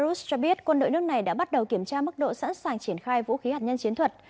bộ quốc phòng belarus cho biết quân đội nước này đã bắt đầu kiểm tra mức độ sẵn sàng triển khai vũ khí hạt nhân chiến thuật